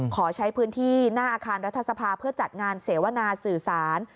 ขอใช้พื้นที่หน้าอาคารรัฐสภาเพื่อจัดงานเสวนาสื่อสาร